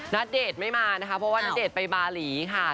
นาเด็ดไม่มานะคะเพราะว่านาเด็ดไปบาหลีค่ะ